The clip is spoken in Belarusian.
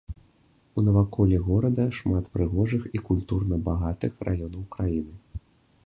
У наваколлі горада шмат прыгожых і культурна багатых раёнаў краіны.